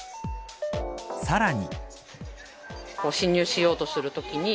さらに。